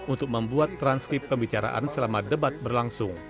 untuk membuat transkrip pembicaraan selama debat berlangsung